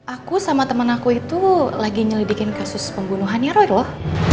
aku sama teman aku itu lagi nyelidikin kasus pembunuhannya roy roll